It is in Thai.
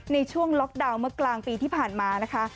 ในช่วงล็อกดาวน์เมื่อกลางปีที่ผ่านมานะคะ